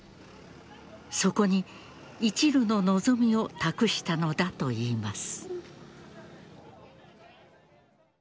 そこに、いちるの望みを託したのだといいます。